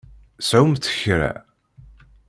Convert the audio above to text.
Sɛumt kra.